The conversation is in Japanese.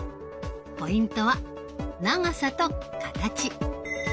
ポイントは長さと形。